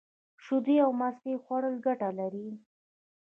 شیدې او مستې خوړل گټه لري.